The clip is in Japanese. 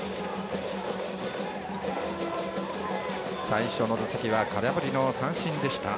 最初の打席は空振り三振でした。